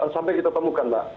sampai kita temukan mbak